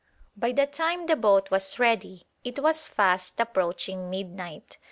By the time the boat was ready it was fast approaching midnight.